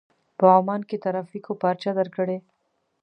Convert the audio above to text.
په عمان کې ترافيکو پارچه درکړې.